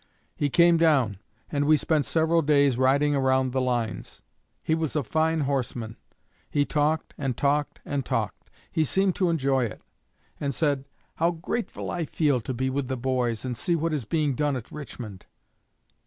He came down, and we spent several days riding around the lines. He was a fine horseman. He talked, and talked, and talked; he seemed to enjoy it, and said, 'How grateful I feel to be with the boys and see what is being done at Richmond!'